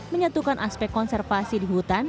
menyatukan aspek konservasi di hutan